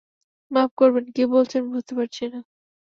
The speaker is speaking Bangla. মাফ করবেন, কী বলছেন বুঝতে পারছি না।